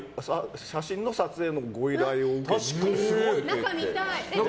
写真の撮影のご依頼も受けていて。